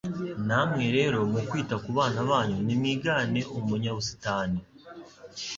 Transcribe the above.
Namwe rero mu kwita ku bana banyu, nimwigane umunyabusitani.